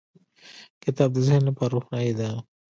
• کتاب د ذهن لپاره روښنایي ده.